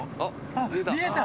あっ見えた！